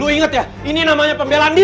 lo inget ya ini namanya pembelandi